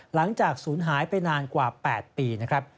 หลังจากสูญหายไปนานกว่า๘ปีนะครับ